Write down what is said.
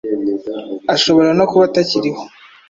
ashobora no kuba atakiriho